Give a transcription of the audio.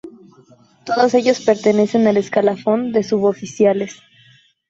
Todos ellos pertenecen al escalafón de "Suboficiales".